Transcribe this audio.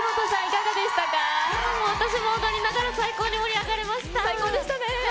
私も踊りながら、最高に盛り最高でしたね。